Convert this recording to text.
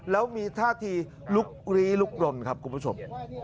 แล้วมีท่าทีลุกลี้ลุกลนครับคุณผู้ชม